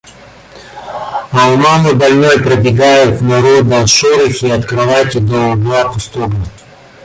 А у мамы больной пробегают народа шорохи от кровати до угла пустого.